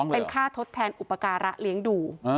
เป็นค่าทดแทนอุปการะเลี้ยงดู